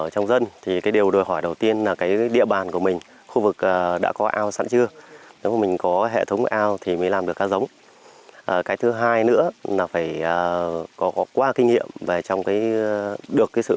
trong được sự hướng dẫn của kỹ thuật